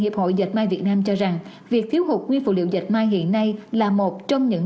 hiệp hội dệt may việt nam cho rằng việc thiếu hụt nguyên phụ liệu dệt may hiện nay là một trong những